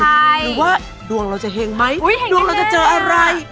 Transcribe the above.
หรือว่าดวงเราจะเห็งไหมดวงเราจะเจออะไร